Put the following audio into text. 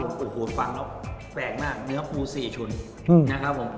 เดี๋ยวพูดฟังแล้วแปลกมากเนื้อปู๔ชุ้นนะครับผม